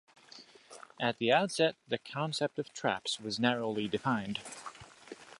At the outset, the concept of traps was narrowly defined.